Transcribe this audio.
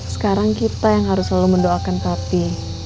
sekarang kita yang harus selalu mendoakan pati